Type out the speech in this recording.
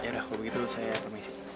ya udah kalau begitu saya permisi